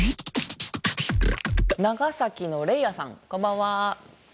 長崎のレイアさんこんばんは。